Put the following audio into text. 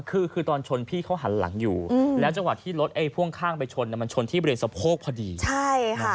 คือคือตอนชนพี่เขาหันหลังอยู่แล้วจังหวะที่รถไอ้พ่วงข้างไปชนมันชนที่บริเวณสะโพกพอดีใช่ค่ะ